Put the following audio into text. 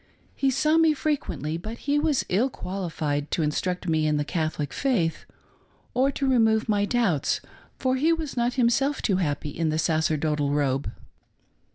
He saw me frequently, but he was ill qualified to instruct me in the Catholic , faith or to remove my doubts, for he was not himself too happy in the sacerdotal robe.